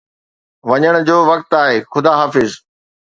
وڃڻ جو وقت آهي، خدا حافظ